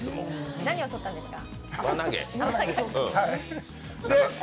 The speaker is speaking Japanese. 何を取ったんですか？